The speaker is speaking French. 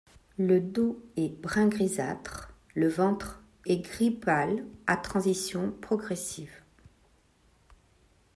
Le dos est brun grisâtre, le ventre est gris pâle, à transition progressive.